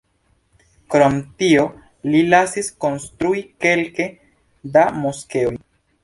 Krom tio li lasis konstrui kelke da moskeoj.